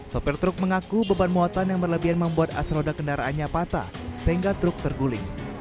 sopir truk mengaku beban muatan yang berlebihan membuat as roda kendaraannya patah sehingga truk terguling